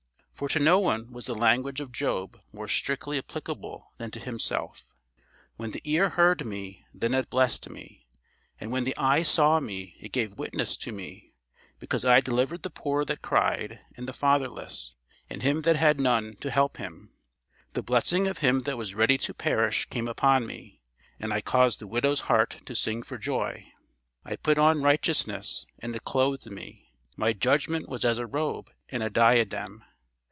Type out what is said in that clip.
For to no one was the language of Job more strictly applicable than to himself: "When the ear heard me, then it blessed me, and when the eye saw me, it gave witness to me; because I delivered the poor that cried, and the fatherless, and him that had none to help him. The blessing of him that was ready to perish came upon me; and I caused the widow's heart to sing for joy. I put on righteousness, and it clothed me; my judgment was as a robe and a diadem.